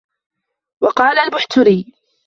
وَقَالَ الْبُحْتُرِيُّ